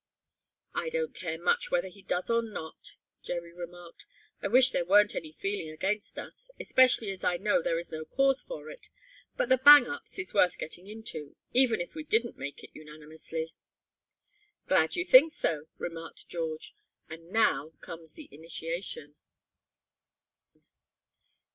"I don't care much whether he does or not," Jerry remarked. "I wish there weren't any feeling against us, especially as I know there is no cause for it, but the Bang Ups is worth getting into, even if we didn't make it unanimously." "Glad you think so," remarked George. "And now comes the initiation."